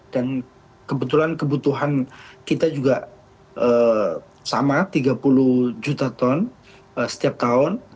dan kebetulan kebutuhan kita juga sama rp tiga puluh setiap tahun